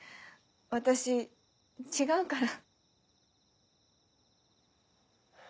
私違うから。